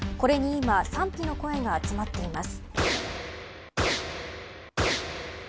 これに今、賛否の声が集まっています。